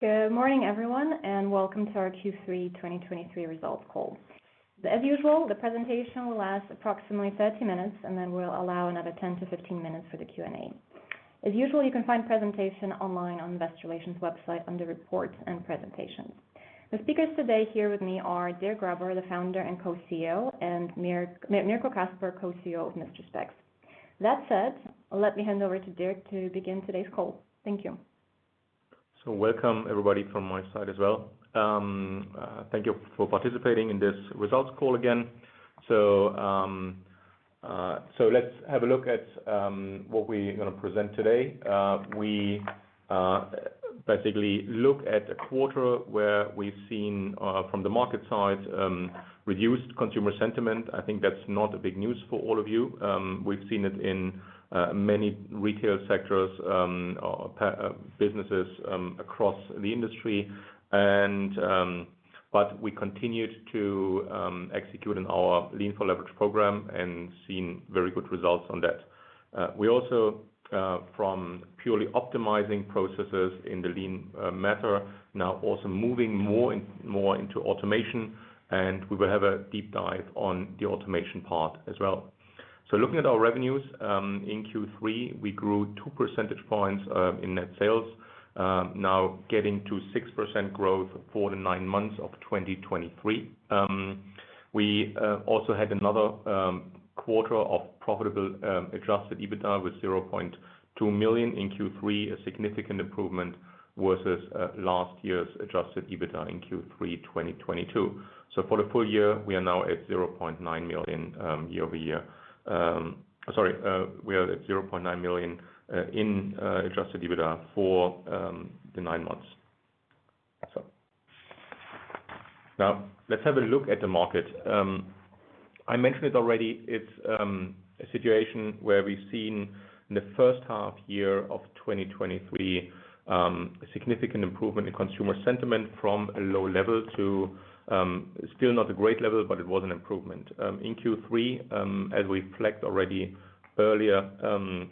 Good morning, everyone, and welcome to our Q3 2023 results call. As usual, the presentation will last approximately 30 minutes, and then we'll allow another 10-15 minutes for the Q&A. As usual, you can find presentation online on the Investor Relations website under Reports and Presentations. The speakers today here with me are Dirk Graber, the founder and Co-CEO, and Mirko Caspar, Co-CEO of Mister Spex. That said, let me hand over to Dirk to begin today's call. Thank you. So welcome everybody from my side as well. Thank you for participating in this results call again. So let's have a look at what we're gonna present today. We basically look at a quarter where we've seen from the market side reduced consumer sentiment. I think that's not a big news for all of you. We've seen it in many retail sectors or businesses across the industry. But we continued to execute in our Lean for Leverage program and seen very good results on that. We also from purely optimizing processes in the Lean method now also moving more and more into automation, and we will have a deep dive on the automation part as well. So looking at our revenues, in Q3, we grew 2 percentage points, in net sales, now getting to 6% growth for the nine months of 2023. We also had another quarter of profitable adjusted EBITDA with 0.2 million in Q3, a significant improvement versus last year's adjusted EBITDA in Q3 2022. So for the full year, we are now at 0.9 million, year-over-year. Sorry, we are at 0.9 million, in adjusted EBITDA for the nine months. So now let's have a look at the market. I mentioned it already, it's a situation where we've seen in the first half year of 2023 a significant improvement in consumer sentiment from a low level to still not a great level, but it was an improvement. In Q3, as we reflect already earlier,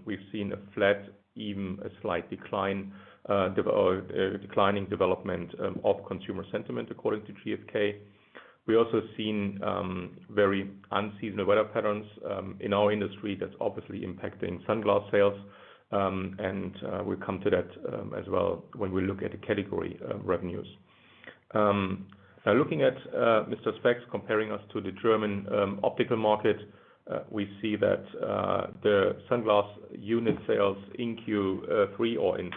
we've seen a flat, even a slight decline, or declining development of consumer sentiment, according to GfK. We also seen very unseasonal weather patterns in our industry. That's obviously impacting sunglasses sales. And we'll come to that as well when we look at the category revenues. Now looking at Mister Spex, comparing us to the German optical market, we see that the sunglasses unit sales in Q3, or in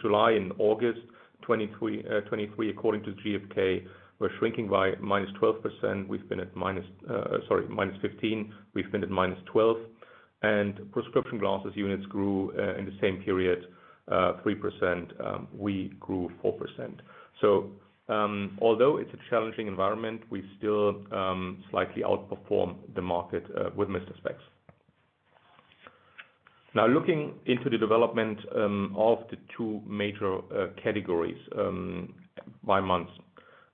July and August 2023, according to GfK, were shrinking by -12%. We've been at -15, we've been at -12, and prescription glasses units grew in the same period 3%, we grew 4%. So, although it's a challenging environment, we still slightly outperform the market with Mister Spex. Now, looking into the development of the two major categories by month.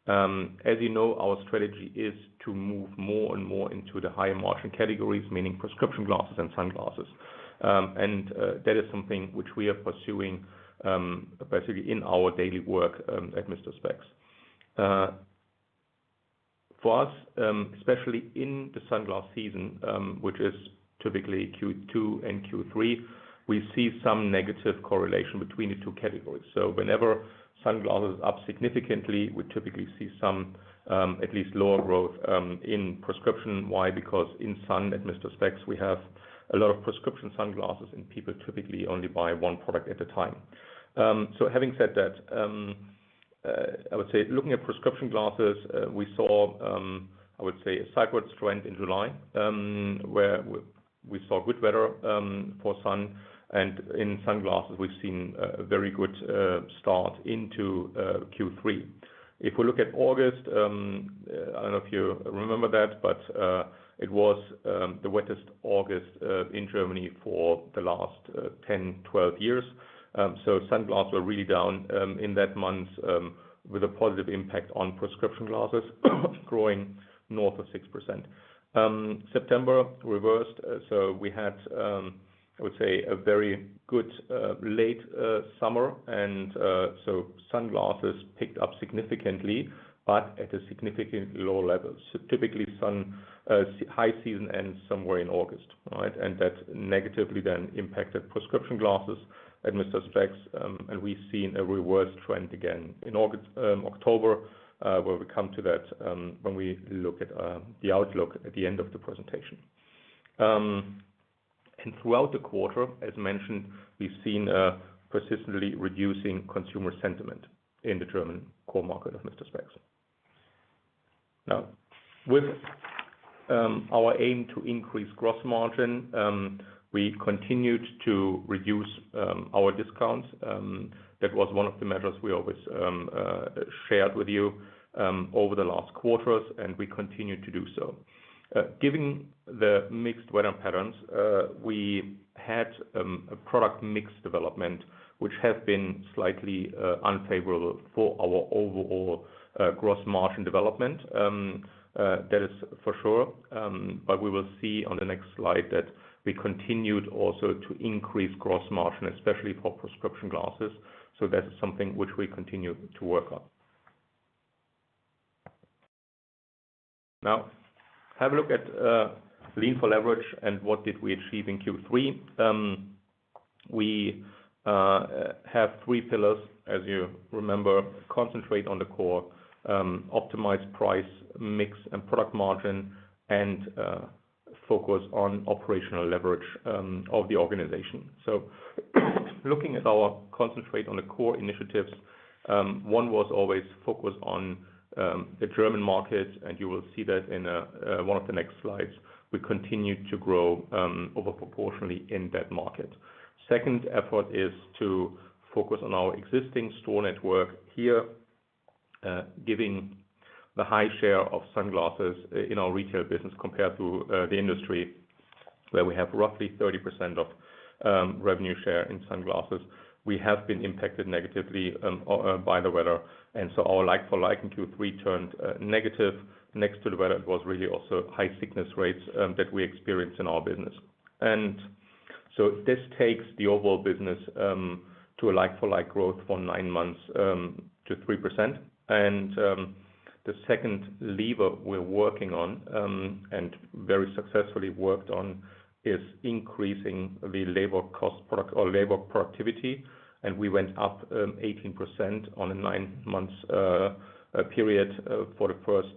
As you know, our strategy is to move more and more into the higher margin categories, meaning prescription glasses and sunglasses. And that is something which we are pursuing, basically in our daily work, at Mister Spex. For us, especially in the sunglasses season, which is typically Q2 and Q3, we see some negative correlation between the two categories. So whenever sunglasses are up significantly, we typically see some, at least lower growth, in prescription. Why? Because in sun, at Mister Spex, we have a lot of prescription sunglasses, and people typically only buy one product at a time. So having said that, I would say looking at prescription glasses, we saw, I would say, a sideways trend in July, where we saw good weather, for sun, and in sunglasses, we've seen a very good start into Q3. If we look at August, I don't know if you remember that, but it was the wettest August in Germany for the last 10, 12 years. So sunglasses were really down in that month, with a positive impact on prescription glasses, growing north of 6%. September reversed, so we had, I would say, a very good late summer and so sunglasses picked up significantly, but at a significantly lower level. So typically, sun high season ends somewhere in August, right? And that negatively then impacted prescription glasses at Mister Spex. And we've seen a reverse trend again in August, October, where we come to that when we look at the outlook at the end of the presentation. Throughout the quarter, as mentioned, we've seen a persistently reducing consumer sentiment in the German core market of Mister Spex. Now, with our aim to increase gross margin, we continued to reduce our discounts. That was one of the measures we always shared with you over the last quarters, and we continued to do so. Given the mixed weather patterns, we had a product mix development, which has been slightly unfavorable for our overall gross margin development. That is for sure. But we will see on the next slide that we continued also to increase gross margin, especially for prescription glasses. So that is something which we continue to work on... Now, have a look at Lean for Leverage and what we achieved in Q3. We have three pillars, as you remember: concentrate on the core, optimize price, mix, and product margin, and focus on operational leverage of the organization. So looking at our concentrate on the core initiatives, one was always focused on the German market, and you will see that in one of the next slides. We continued to grow over proportionally in that market. Second effort is to focus on our existing store network here, giving the high share of sunglasses in our retail business compared to the industry, where we have roughly 30% of revenue share in sunglasses. We have been impacted negatively by the weather, and so our like for like in Q3 turned negative. Next to the weather was really also high sickness rates that we experienced in our business. This takes the overall business to a like for like growth for nine months to 3%. The second lever we're working on and very successfully worked on is increasing the labor cost product or labor productivity, and we went up 18% on a nine months period for the first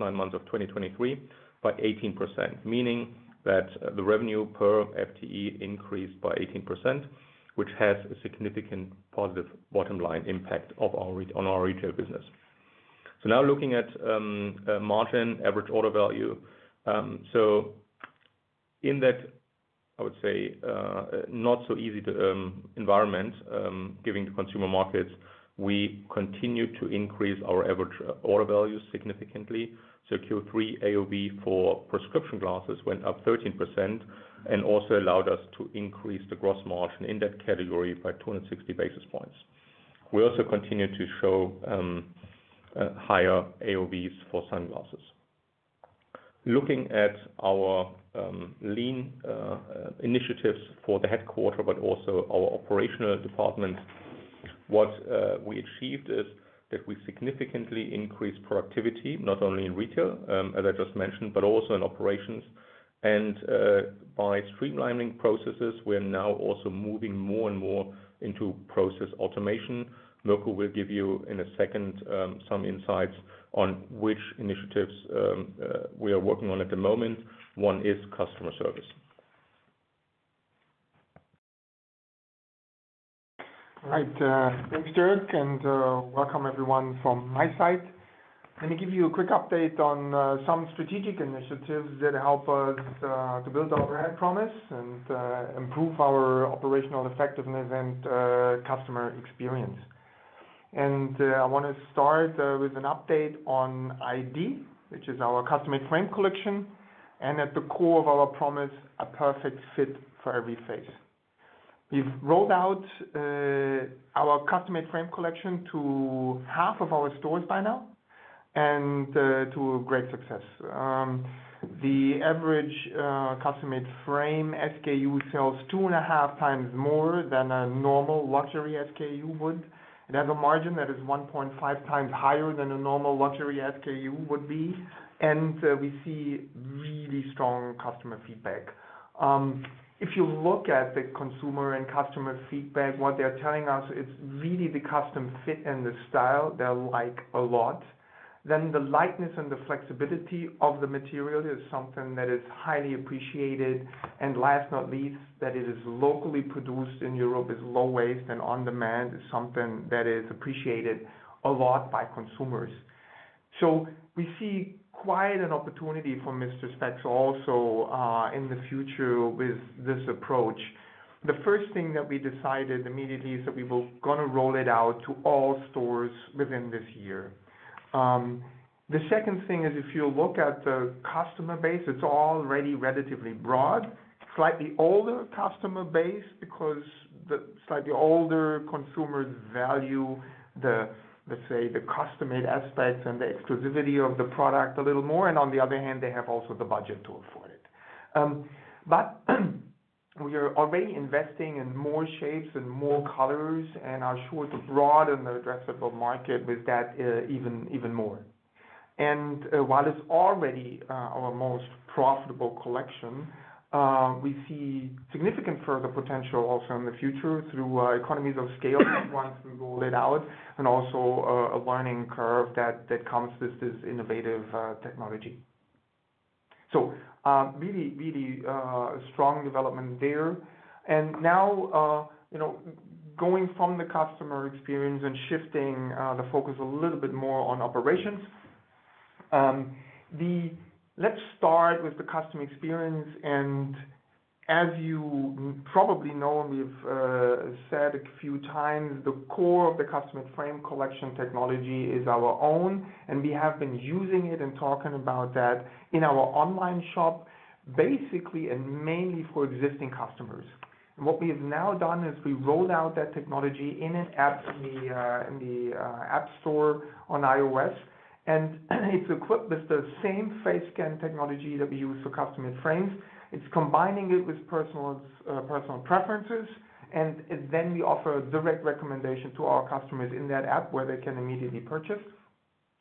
nine months of 2023 by 18%. Meaning that the revenue per FTE increased by 18%, which has a significant positive bottom line impact on our retail business. So now looking at margin average order value. So in that, I would say, not so easy environment, given the consumer markets, we continued to increase our average order value significantly. So Q3 AOV for prescription glasses went up 13% and also allowed us to increase the gross margin in that category by 260 basis points. We also continued to show higher AOVs for sunglasses. Looking at our lean initiatives for the headquarters, but also our operational department, what we achieved is that we significantly increased productivity, not only in retail, as I just mentioned, but also in operations. And by streamlining processes, we are now also moving more and more into process automation. Mirko will give you, in a second, some insights on which initiatives we are working on at the moment. One is customer service. All right, thanks, Dirk, and welcome everyone from my side. Let me give you a quick update on some strategic initiatives that help us to build our brand promise and improve our operational effectiveness and customer experience. And I want to start with an update on EyeD, which is our custom-made frame collection, and at the core of our promise, a perfect fit for every face. We've rolled out our custom-made frame collection to half of our stores by now and to a great success. The average custom-made frame SKU sells 2.5 times more than a normal luxury SKU would. It has a margin that is 1.5 times higher than a normal luxury SKU would be, and we see really strong customer feedback. If you look at the consumer and customer feedback, what they are telling us, it's really the custom fit and the style they like a lot. Then the lightness and the flexibility of the material is something that is highly appreciated. And last but not least, that it is locally produced in Europe, is low waste, and on demand, is something that is appreciated a lot by consumers. So we see quite an opportunity for Mister Spex also, in the future with this approach. The first thing that we decided immediately is that we're gonna roll it out to all stores within this year. The second thing is, if you look at the customer base, it's already relatively broad, slightly older customer base, because the slightly older consumers value the, let's say, the custom-made aspects and the exclusivity of the product a little more, and on the other hand, they have also the budget to afford it. But we are already investing in more shapes and more colors, and are sure to broaden the addressable market with that, even, even more. And while it's already our most profitable collection, we see significant further potential also in the future through economies of scale, once we roll it out, and also a learning curve that comes with this innovative technology. So really, really a strong development there. And now, you know, going from the customer experience and shifting the focus a little bit more on operations. Let's start with the customer experience, and as you probably know, we've said a few times, the core of the customer frame collection technology is our own, and we have been using it and talking about that in our online shop, basically, and mainly for existing customers. What we have now done is we rolled out that technology in an app in the App Store on iOS, and it's equipped with the same face scan technology that we use for custom-made frames. It's combining it with personal preferences, and it then we offer direct recommendation to our customers in that app, where they can immediately purchase.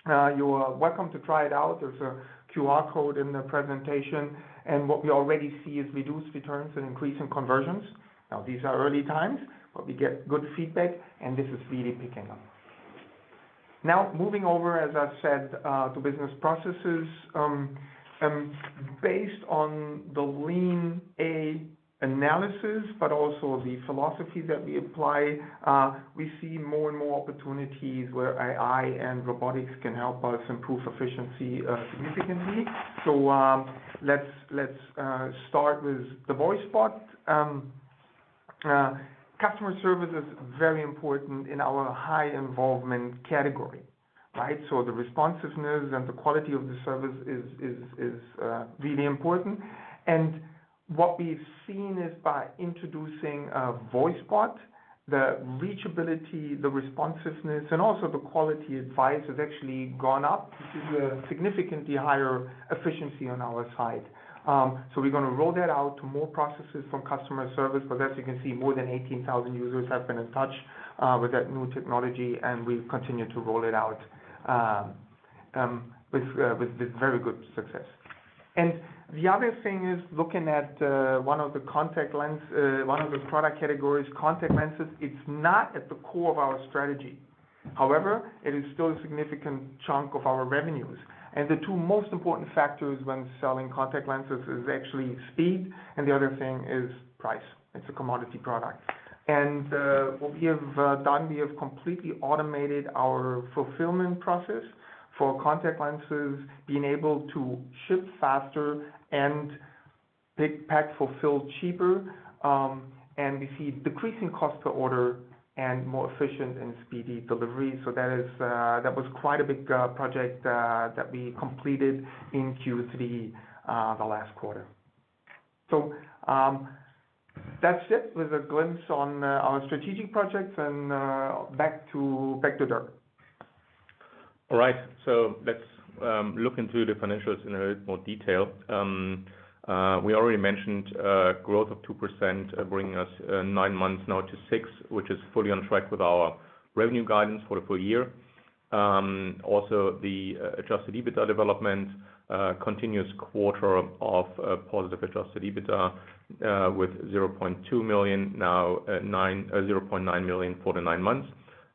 You are welcome to try it out. There's a QR code in the presentation, and what we already see is reduced returns and increase in conversions. Now, these are early times, but we get good feedback, and this is really picking up. Now, moving over, as I said, to business processes. Based on the Lean A analysis, but also the philosophy that we apply, we see more and more opportunities where AI and robotics can help us improve efficiency, significantly. So, let's start with the voice bot. Customer service is very important in our high involvement category, right? So the responsiveness and the quality of the service is really important. And what we've seen is by introducing a voice bot, the reachability, the responsiveness, and also the quality advice, has actually gone up to a significantly higher efficiency on our side. So we're gonna roll that out to more processes from customer service. But as you can see, more than 18,000 users have been in touch with that new technology, and we've continued to roll it out with this very good success. And the other thing is, looking at one of the product categories, contact lenses. It's not at the core of our strategy. However, it is still a significant chunk of our revenues. And the two most important factors when selling contact lenses is actually speed, and the other thing is price. It's a commodity product. And what we have done, we have completely automated our fulfillment process for contact lenses, being able to ship faster and pick, pack, fulfill cheaper. And we see decreasing cost per order and more efficient and speedy delivery. So that is, that was quite a big project that we completed in Q3, the last quarter. So, that's it with a glimpse on our strategic projects and, back to, back to Dirk. All right, so let's look into the financials in a little more detail. We already mentioned growth of 2%, bringing us nine months now to 6%, which is fully on track with our revenue guidance for the full year. Also, the adjusted EBITDA development, continuous quarter of positive adjusted EBITDA with 0.2 million, now 0.9 million for the nine months.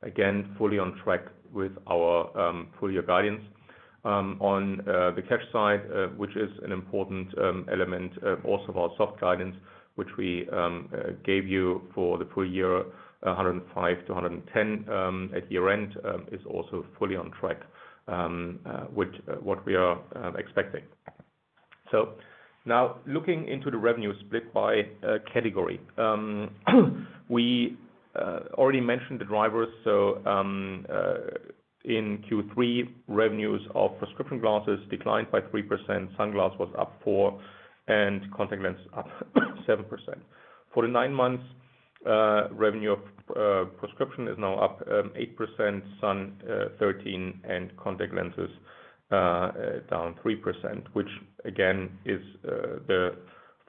Again, fully on track with our full year guidance. On the cash side, which is an important element also of our soft guidance, which we gave you for the full year, 105 million-110 million at year-end, is also fully on track, which what we are expecting. So now, looking into the revenue split by category. We already mentioned the drivers. So in Q3, revenues of prescription glasses declined by 3%, sunglass was up 4%, and contact lens up 7%. For the nine months, revenue of prescription is now up 8%, sun 13%, and contact lenses down 3%, which again is the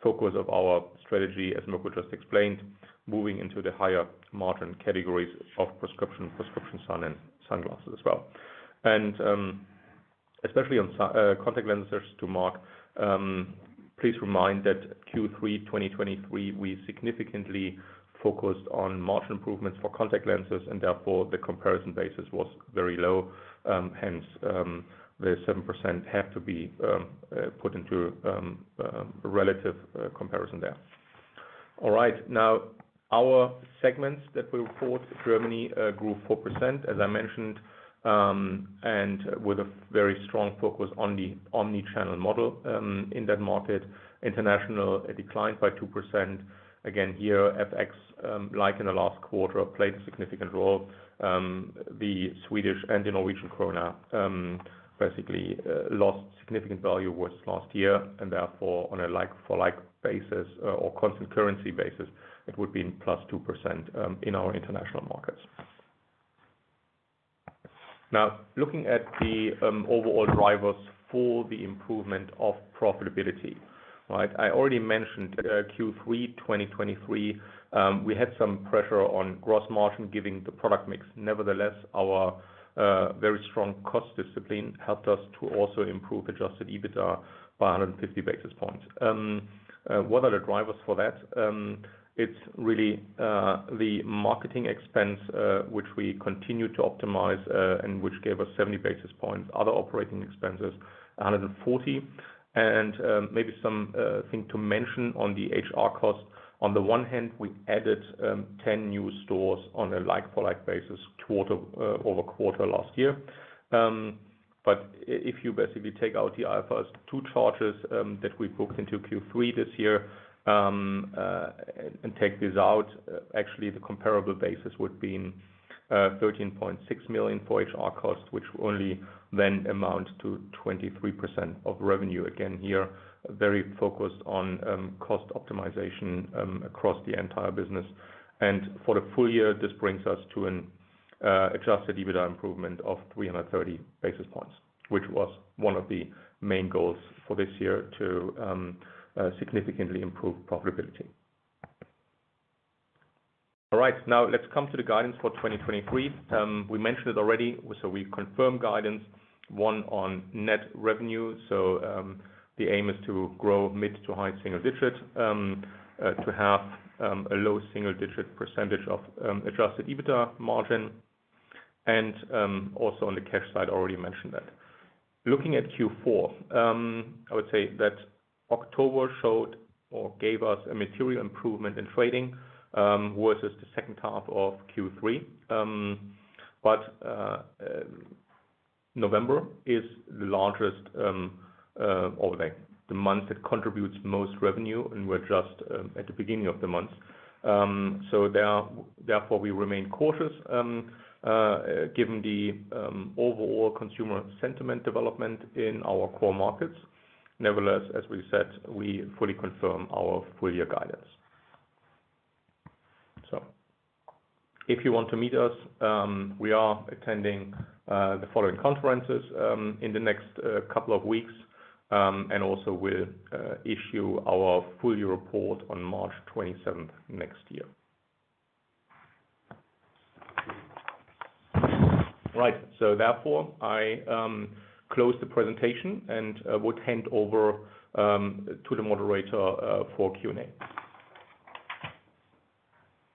focus of our strategy, as Mirko just explained, moving into the higher margin categories of prescription, prescription sun, and sunglasses as well. And especially on contact lenses to Mark, please remind that Q3, 2023, we significantly focused on margin improvements for contact lenses, and therefore, the comparison basis was very low. Hence, the seven percent have to be put into relative comparison there. All right, now, our segments that we report, Germany, grew 4%, as I mentioned, and with a very strong focus on the omnichannel model, in that market. International, it declined by 2%. Again, here, FX, like in the last quarter, played a significant role. The Swedish and the Norwegian krona, basically, lost significant value versus last year, and therefore, on a like for like basis or constant currency basis, it would be in +2%, in our international markets. Now, looking at the overall drivers for the improvement of profitability. Right, I already mentioned, Q3 2023, we had some pressure on gross margin, given the product mix. Nevertheless, our very strong cost discipline helped us to also improve adjusted EBITDA by 150 basis points. What are the drivers for that? It's really the marketing expense, which we continue to optimize, and which gave us 70 basis points, other operating expenses, 140. Maybe something to mention on the HR costs. On the one hand, we added 10 new stores on a like-for-like basis, quarter-over-quarter last year. But if you basically take out the IFRS 2 charges that we booked into Q3 this year, and take these out, actually, the comparable basis would be 13.6 million for HR costs, which only then amount to 23% of revenue. Again, here, very focused on cost optimization across the entire business. For the full year, this brings us to an adjusted EBITDA improvement of 330 basis points, which was one of the main goals for this year to significantly improve profitability....All right, now let's come to the guidance for 2023. We mentioned it already, so we've confirmed guidance, one, on net revenue. The aim is to grow mid- to high-single-digit, to have a low-single-digit percentage of adjusted EBITDA margin. Also on the cash side, I already mentioned that. Looking at Q4, I would say that October showed or gave us a material improvement in trading versus the second half of Q3. But November is the largest, or like the month that contributes most revenue, and we're just at the beginning of the month. So there are, therefore, we remain cautious given the overall consumer sentiment development in our core markets. Nevertheless, as we said, we fully confirm our full-year guidance. So if you want to meet us, we are attending the following conferences in the next couple of weeks, and also we'll issue our full year report on March twenty-seventh next year. Right. So therefore, I close the presentation and would hand over to the moderator for Q&A.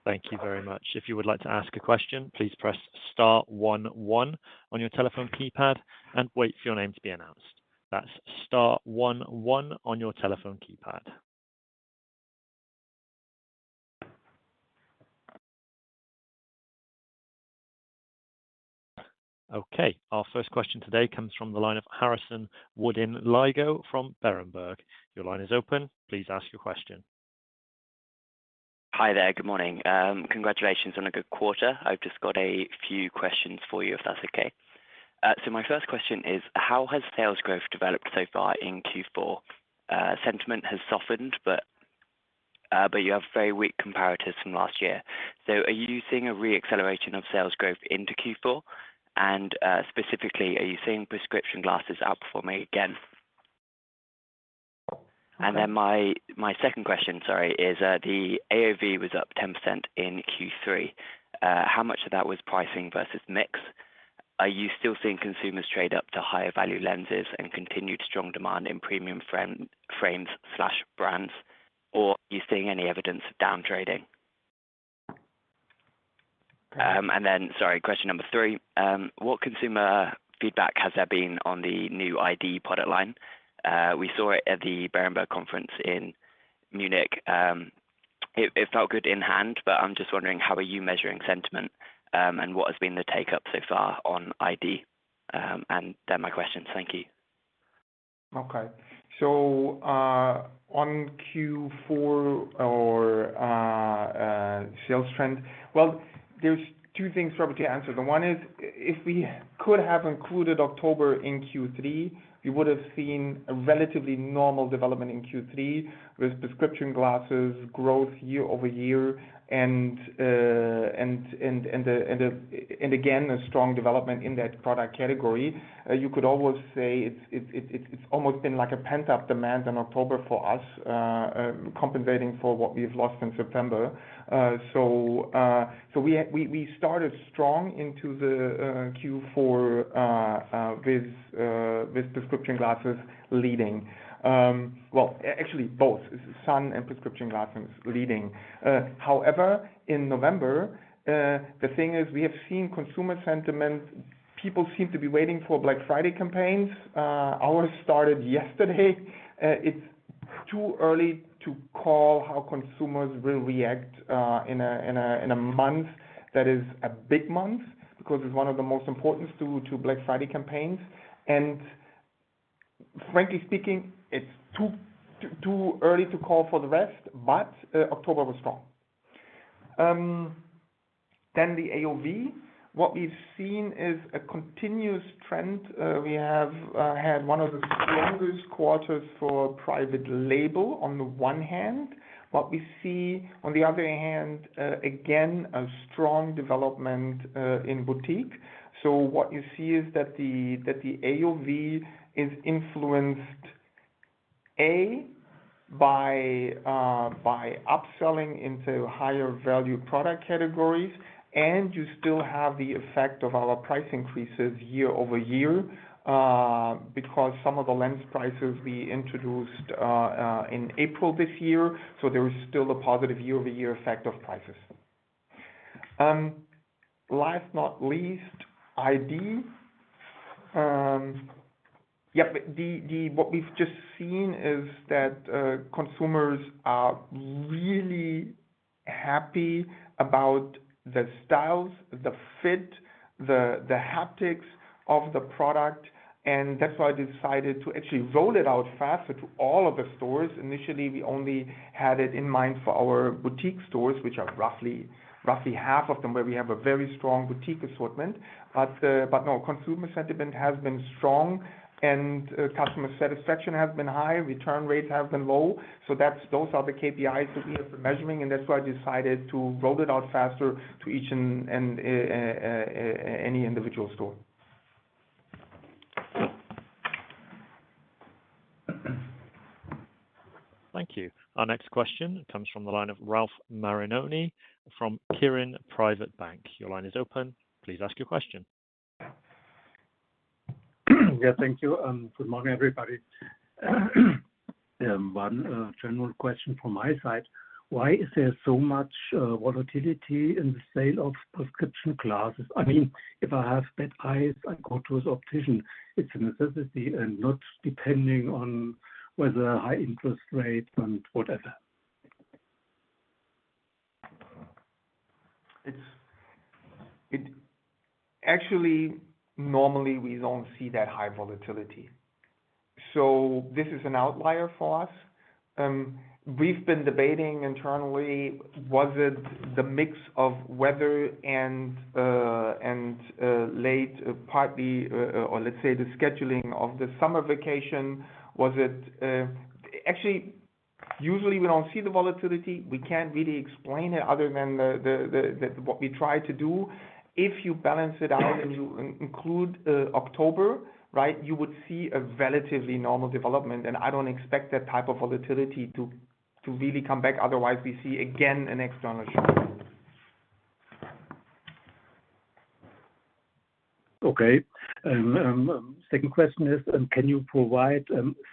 Thank you very much. If you would like to ask a question, please press star one one on your telephone keypad and wait for your name to be announced. That's star one one on your telephone keypad. Okay, our first question today comes from the line of Harrison Woodin-Lygo from Berenberg. Your line is open. Please ask your question. Hi there. Good morning. Congratulations on a good quarter. I've just got a few questions for you, if that's okay. So my first question is: How has sales growth developed so far in Q4? Sentiment has softened, but, but you have very weak comparatives from last year. So are you seeing a re-acceleration of sales growth into Q4? And, specifically, are you seeing prescription glasses outperforming again? And then my, my second question, sorry, is, the AOV was up 10% in Q3. How much of that was pricing versus mix? Are you still seeing consumers trade up to higher value lenses and continued strong demand in premium frames and brands, or are you seeing any evidence of down trading? And then, sorry, question number three: What consumer feedback has there been on the new ID product line? We saw it at the Berenberg conference in Munich. It felt good in hand, but I'm just wondering how you are measuring sentiment and what has been the take-up so far on ID? And they're my questions. Thank you. Okay. So, on Q4 or sales trend, well, there's two things probably to answer. The one is, if we could have included October in Q3, you would have seen a relatively normal development in Q3 with prescription glasses growth year-over-year, and again, a strong development in that product category. You could almost say it's almost been like a pent-up demand in October for us, compensating for what we've lost in September. So, we started strong into the Q4 with prescription glasses leading. Well, actually both sun and prescription glasses leading. However, in November, the thing is we have seen consumer sentiment. People seem to be waiting for Black Friday campaigns. Ours started yesterday. It's too early to call how consumers will react in a month that is a big month, because it's one of the most important to Black Friday campaigns. And frankly speaking, it's too early to call for the rest, but October was strong. Then the AOV, what we've seen is a continuous trend. We have had one of the strongest quarters for private label on the one hand, but we see, on the other hand, again, a strong development in boutique. So what you see is that the AOV is influenced by upselling into higher value product categories, and you still have the effect of our price increases year-over-year, because some of the lens prices we introduced in April this year, so there is still a positive year-over-year effect of prices. Last not least, ID. Yep, what we've just seen is that consumers are really happy about the styles, the fit, the haptics of the product, and that's why I decided to actually roll it out faster to all of the stores. Initially, we only had it in mind for our boutique stores, which are roughly half of them, where we have a very strong boutique assortment. But, but no, consumer sentiment has been strong and, customer satisfaction has been high, return rates have been low. So that's, those are the KPIs that we are measuring, and that's why I decided to roll it out faster to each and any individual store.... Thank you. Our next question comes from the line of Ralf Marinoni from Quirin Privatbank. Your line is open. Please ask your question. Yes, thank you, and good morning, everybody. One, general question from my side: Why is there so much volatility in the sale of prescription glasses? I mean, if I have bad eyes, I go to an optician. It's a necessity and not depending on whether high interest rates and whatever. It actually, normally, we don't see that high volatility. So this is an outlier for us. We've been debating internally, was it the mix of weather and late partly or let's say, the scheduling of the summer vacation? Was it... Actually, usually we don't see the volatility. We can't really explain it other than that what we try to do. If you balance it out and you include October, right, you would see a relatively normal development, and I don't expect that type of volatility to really come back. Otherwise, we see, again, an external shock. Okay. Second question is: Can you provide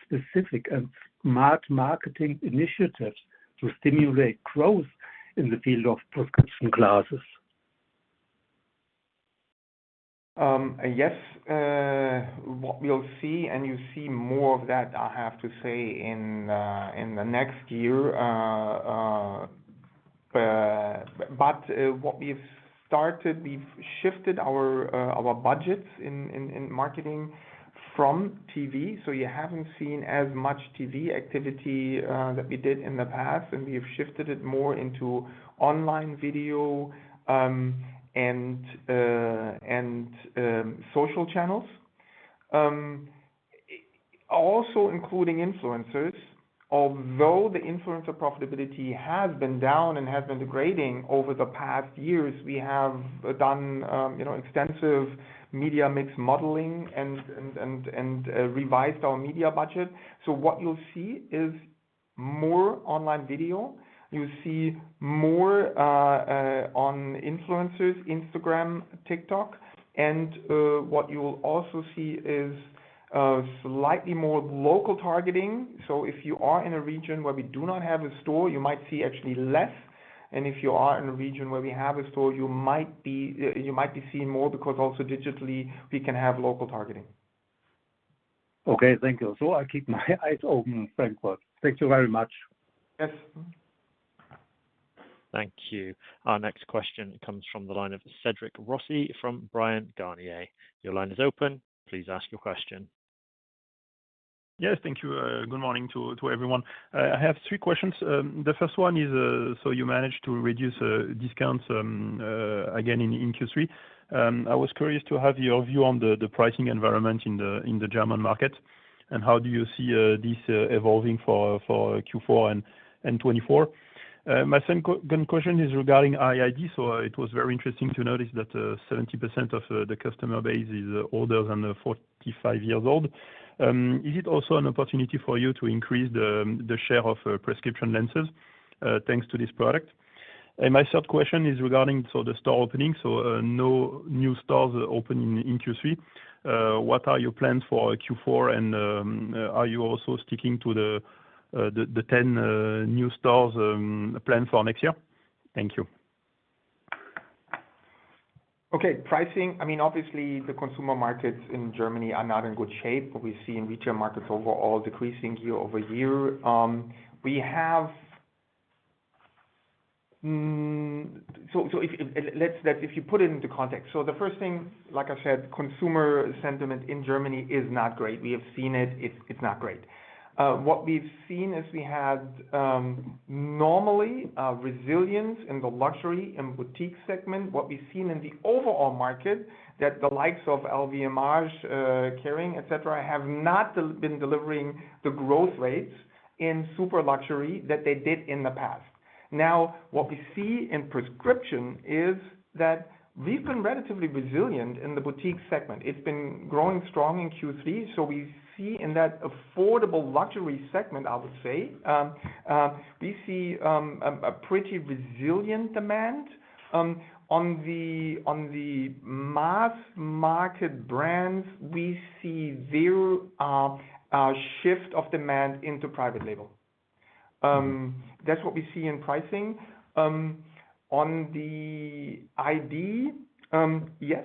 specific and smart marketing initiatives to stimulate growth in the field of prescription glasses? Yes, what you'll see and you see more of that, I have to say, in the next year. But what we've started, we've shifted our budgets in marketing from TV. So you haven't seen as much TV activity that we did in the past, and we've shifted it more into online video and social channels. Also including influencers, although the influencer profitability has been down and has been degrading over the past years, we have done, you know, extensive media mix modeling and revised our media budget. So what you'll see is more online video. You'll see more on influencers, Instagram, TikTok, and what you will also see is slightly more local targeting. If you are in a region where we do not have a store, you might see actually less, and if you are in a region where we have a store, you might be seeing more, because also digitally, we can have local targeting. Okay, thank you. So I keep my eyes open, frankly. Thank you very much. Yes. Thank you. Our next question comes from the line of Cédric Rossi, from Bryan, Garnier. Your line is open. Please ask your question. Yes, thank you. Good morning to everyone. I have three questions. The first one is, so you managed to reduce discounts again in Q3. I was curious to have your view on the pricing environment in the German market, and how do you see this evolving for Q4 and 2024? My second question is regarding ID. So it was very interesting to notice that 70% of the customer base is older than 45 years old. Is it also an opportunity for you to increase the share of prescription lenses thanks to this product? And my third question is regarding the store opening, so no new stores opening in Q3. What are your plans for Q4, and are you also sticking to the 10 new stores planned for next year? Thank you. Okay, pricing. I mean, obviously, the consumer markets in Germany are not in good shape. We see in retail markets overall decreasing year over year. If you put it into context, the first thing, like I said, consumer sentiment in Germany is not great. We have seen it. It's not great. What we've seen is we had normally resilience in the luxury and boutique segment. What we've seen in the overall market, that the likes of LVMH, Kering, et cetera, have not been delivering the growth rates in super luxury that they did in the past. Now, what we see in prescription is that we've been relatively resilient in the boutique segment. It's been growing strong in Q3, so we see in that affordable luxury segment, I would say, we see a pretty resilient demand. On the mass market brands, we see zero shift of demand into private label. That's what we see in pricing. On the ID, yes,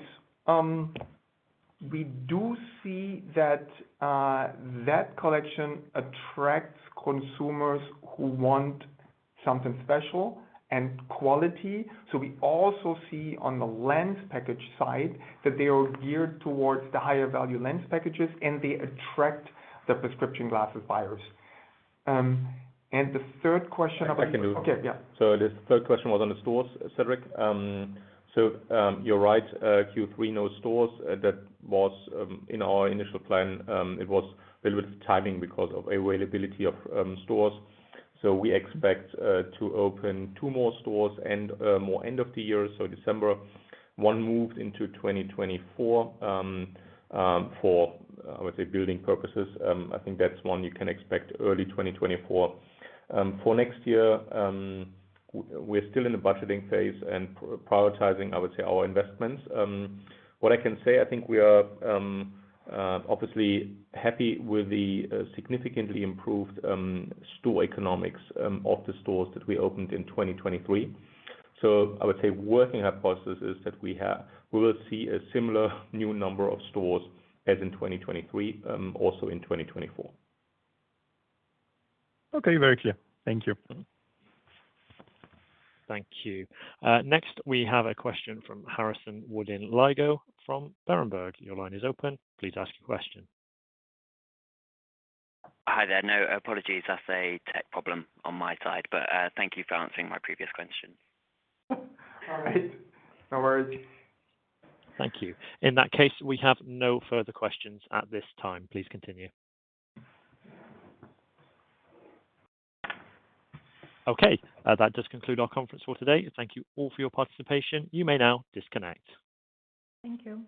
we do see that that collection attracts consumers who want something special and quality. So we also see on the lens package side, that they are geared towards the higher value lens packages, and they attract the prescription glasses buyers. And the third question- I can do. Okay, yeah. So the third question was on the stores, Cédric. You're right, Q3, no stores. That was in our initial plan. It was a little bit of timing because of availability of stores. So we expect to open 2 more stores and more end of the year, so December. One moved into 2024 for, I would say, building purposes. I think that's one you can expect early 2024. For next year, we're still in the budgeting phase and prioritizing, I would say, our investments. What I can say, I think we are obviously happy with the significantly improved store economics of the stores that we opened in 2023. I would say working hypothesis is that we have, we will see a similar new number of stores as in 2023, also in 2024. Okay. Very clear. Thank you. Thank you. Next, we have a question from Harrison Woodin-Lygo from Berenberg. Your line is open. Please ask your question. Hi there. No, apologies. That's a tech problem on my side, but, thank you for answering my previous question. All right. No worries. Thank you. In that case, we have no further questions at this time. Please continue. Okay, that does conclude our conference call today. Thank you all for your participation. You may now disconnect. Thank you.